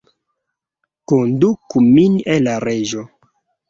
Konduku min al la Reĝo!